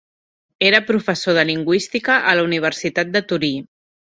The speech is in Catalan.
Era professor de lingüística a la Universitat de Torí.